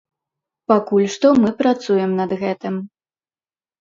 Пакуль што мы працуем над гэтым.